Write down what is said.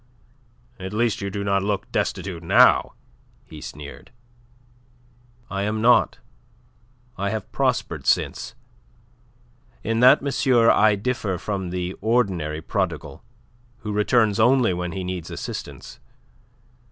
"At least you do not look destitute now," he sneered. "I am not. I have prospered since. In that, monsieur, I differ from the ordinary prodigal, who returns only when he needs assistance.